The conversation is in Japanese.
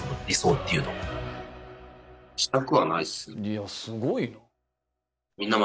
いやすごいな。